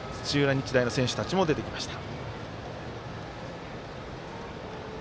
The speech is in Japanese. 日大の選手たち出てきました。